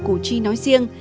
cổ chi nói riêng